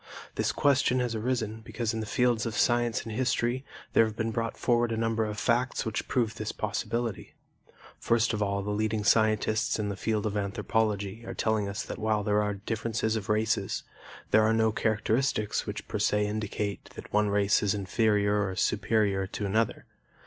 This question has arisen because in the fields of science and history there have been brought forward a number of facts which prove this possibility. First of all, the leading scientists in the field of anthropology are telling us that while there are differences of races, there are no characteristics which per se indicate that one race is inferior or superior to another.